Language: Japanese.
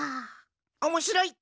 おもしろい！